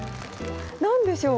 何でしょう？